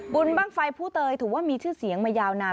บุญบ้างไฟผู้เตยถือว่ามีชื่อเสียงมายาวนาน